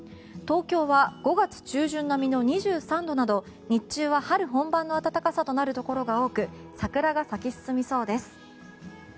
東京は５月中旬並みの２３度など日中は春本番の暖かさとなるところが多く桜が咲き進みそうです。